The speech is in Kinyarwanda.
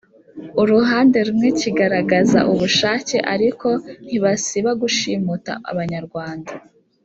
Uruhande rumwe kigaragaza ubushake ariko ntibasiba gushimuta abanyarwanda